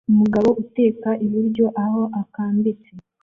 Umugabo uteka ibiryo aho akambitse